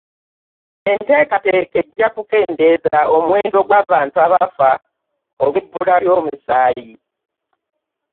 Enteekateeka ejja kukendeeza omuwendo gw'abantu abafa olw'ebbula ly'omusaayi.